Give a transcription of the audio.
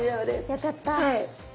よかった。